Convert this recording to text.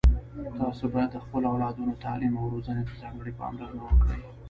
تاسو باید د خپلو اولادونو تعلیم او روزنې ته ځانګړي پاملرنه وکړئ